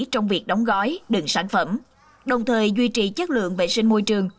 trong việc đóng gói đựng sản phẩm đồng thời duy trì chất lượng vệ sinh môi trường